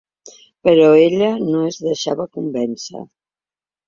Però ella no es deixava convèncer.